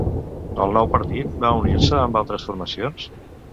El nou partit va unir-se amb altres formacions?